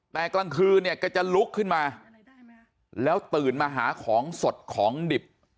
แต่กลางคืนเนี่ยแกจะลุกขึ้นมาแล้วตื่นมาหาของสดของดิบ